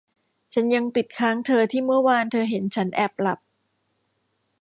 ฉันยังติดค้างเธอที่เมื่อวานเธอเห็นฉันแอบหลับ